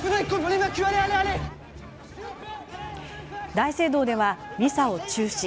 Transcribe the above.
大聖堂では、ミサを中止。